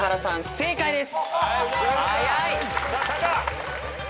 正解です。